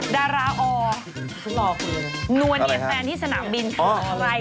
ดาราออ